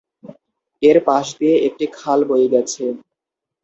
এর পাশ দিয়ে একটি খাল বয়ে গেছে।